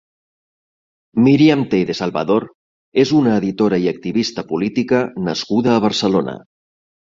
Miriam Tey de Salvador és una editora i activista política nascuda a Barcelona.